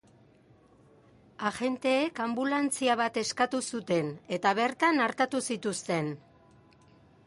Agenteek anbulantzia bat eskatu zuten, eta bertan artatu zituzten.